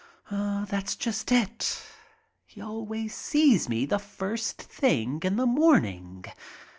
That's just it. He always sees me the first thing in the morning.